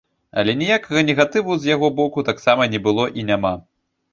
Але ніякага негатыву з яго боку таксама не было і няма.